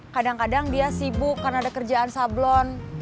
kadang kadang dia sibuk karena ada kerjaan sablon